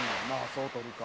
そう取るか」